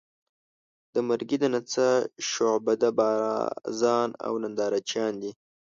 د مرګي د نڅا شعبده بازان او نندارچیان دي.